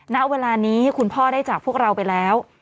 ณเวลานี้คุณพ่อได้จากพวกเราไปแล้ว